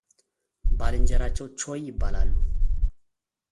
ባልንጀራቸው ቾይ ይባላሉ።